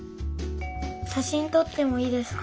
しゃしんとってもいいですか？